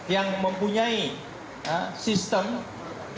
yang mempunyai sistem it di perusahaannya tidak usah panik